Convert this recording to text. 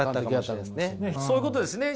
そういうことですね。